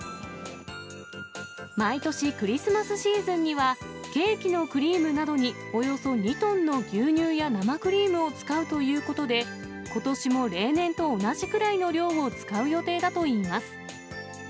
毎年、クリスマスシーズンには、ケーキのクリームなどにおよそ２トンの牛乳や生クリームを使うということで、ことしも例年と同じくらいの量を使う予定だといいます。